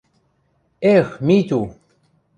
— Эх, Митю!..